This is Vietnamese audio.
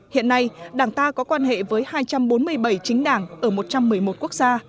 hiện nay đảng ta có quan hệ với hai trăm bốn mươi bảy chính đảng ở một trăm một mươi một quốc gia